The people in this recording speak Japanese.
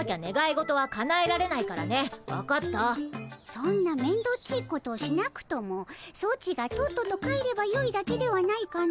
そんなめんどっちいことをしなくともソチがとっとと帰ればよいだけではないかの？